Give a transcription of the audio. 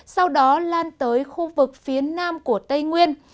sau đó lan tới khu vực phía nam của tây nguyên